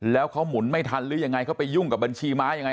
แล้วเขาหมุนไม่ทันหรือยังไงเขาไปยุ่งกับบัญชีม้ายังไง